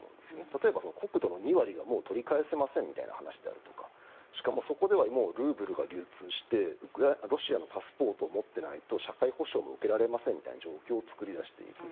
例えば国土の２割がもう取り返せませんであるとかしかもそこではルーブルが流通してロシアのパスポートを持っていないと社会保障を受けられませんみたいな状況を作り出していく。